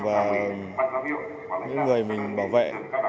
và những người mình bảo vệ